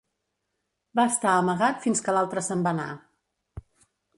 Va estar amagat fins que l'altre se'n va anar.